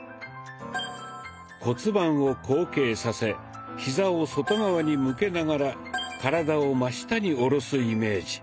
骨盤を後傾させヒザを外側に向けながら体を真下に下ろすイメージ。